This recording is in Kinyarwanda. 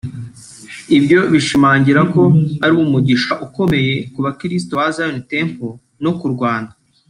Ibyo bishimangira ko ari umugisha ukomeye ku bakristo ba Zion Temple no ku Rwanda